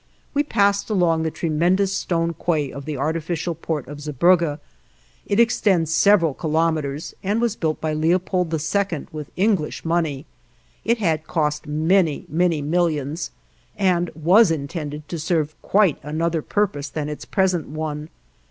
We passed along the tremendous stone quay of the artificial port of Zeebrugge; it extends several kilometers, and was built by Leopold II with English money; it had cost many, many millions, and was intended to serve quite another purpose than its present one.